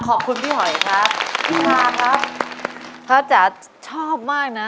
ขอบคุณพี่หอยครับขอบคุณค่ะครับพระอาจารย์ชอบมากนะ